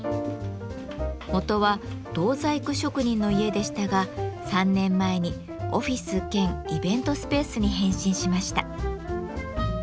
元は銅細工職人の家でしたが３年前にオフィス兼イベントスペースに変身しました。